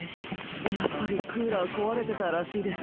やっぱりクーラー壊れてたらしいです。